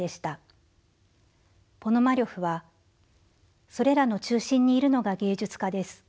ポノマリョフは「それらの中心にいるのが芸術家です。